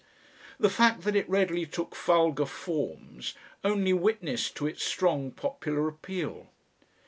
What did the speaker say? The fact that it readily took vulgar forms only witnessed to its strong popular appeal.